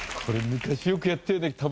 これ昔よくやったよね。